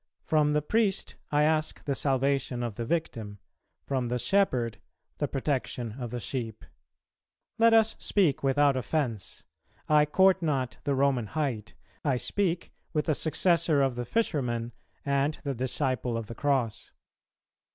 From the Priest I ask the salvation of the victim, from the Shepherd the protection of the sheep. Let us speak without offence; I court not the Roman height: I speak with the successor of the Fisherman and the disciple of the Cross.